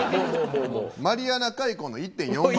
マリアナ海溝の１．４倍。